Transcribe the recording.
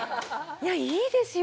いやいいですよ